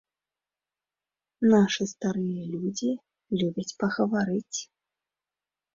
Нашы старыя людзі любяць пагаварыць!